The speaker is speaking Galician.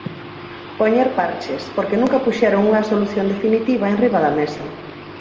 Poñer parches, porque nunca puxeron unha solución definitiva enriba da mesa.